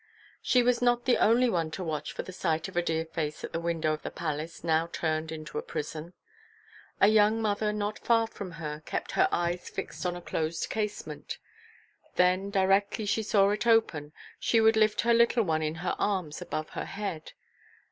She was not the only one to watch for the sight of a dear face at a window of the Palace now turned into a prison. A young mother not far from her kept her eyes fixed on a closed casement; then directly she saw it open, she would lift her little one in her arms above her head.